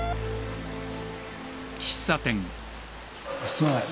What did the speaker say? すまない。